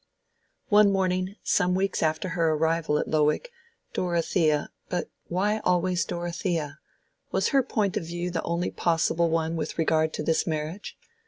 One morning, some weeks after her arrival at Lowick, Dorothea—but why always Dorothea? Was her point of view the only possible one with regard to this marriage?